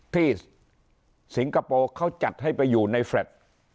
สิงคโปร์เขาจัดให้ไปอยู่ในแฟลต์